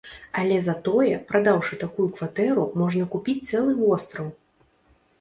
Але затое, прадаўшы такую кватэру, можна купіць цэлы востраў!